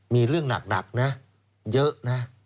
มีเรื่องหนักนะเยอะนะ